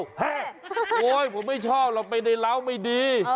แฮะโอ๊ยผมไม่ชอบเราไปในเล้าไม่ดี